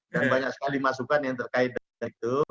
banyak sekali masukan yang terkait dengan itu